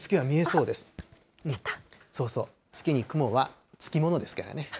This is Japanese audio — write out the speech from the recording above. そうそう、月に雲はつきものですからね。